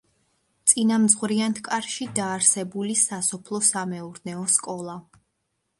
წინამძღვრიანთკარში დაარსებული სასოფლო-სამეურნეო სკოლა.